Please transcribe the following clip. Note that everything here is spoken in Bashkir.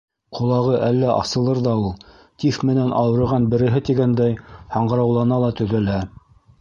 — Ҡолағы әллә асылыр ҙа ул. Тиф менән ауырыған береһе тигәндәй һаңғыраулана ла төҙәлә.